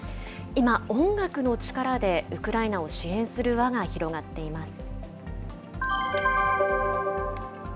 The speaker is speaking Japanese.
今、音楽の力でウクライナを支援する輪が広がっています。